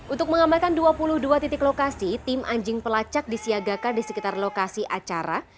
untuk mengambalkan dua puluh dua titik lokasi tim anjing pelacak disiagakan di sekitar lokasi acara